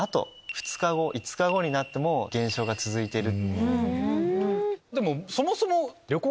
２日後５日後になっても減少が続いている。